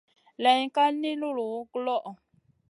Layn ka li nullu guloʼo.